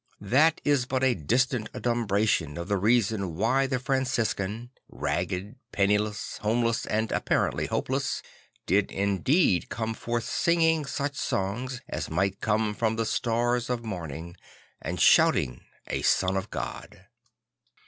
That is but a distant adumbration of the reason why the Franciscan, ragged, penni less, homeless and apparently hopeless, did indeed come forth singing such songs as might come from the stars of morning; and shouting, a son of God.